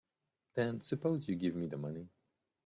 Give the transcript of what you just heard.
Then suppose you give me the money.